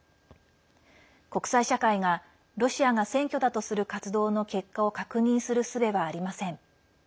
国際社会が、ロシアが選挙だとする活動の結果を確認するすべはありません。